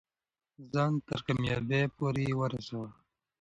ځان تر کامیابۍ پورې ورسوه.